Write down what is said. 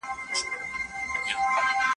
ایا شاګرد باید د ليکني ژبه ساده کړي؟